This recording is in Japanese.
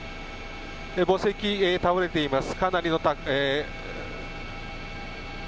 墓石、倒れています。